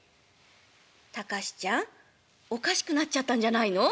「タカシちゃんおかしくなっちゃったんじゃないの？